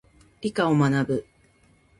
理科を学ぶ。